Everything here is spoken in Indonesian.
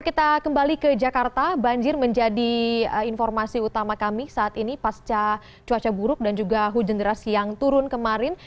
kita kembali ke jakarta banjir menjadi informasi utama kami saat ini pasca cuaca buruk dan juga hujan deras yang turun kemarin